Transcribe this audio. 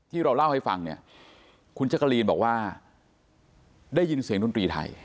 ที่เราเล่าให้ฟังเนี่ยคุณจักรีนบอกว่าได้ยินเสียงดนตรีไทย